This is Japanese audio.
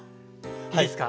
いいですか？